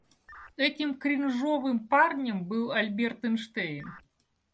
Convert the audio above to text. Этим кринжовым парнем был Альберт Эйнштейн.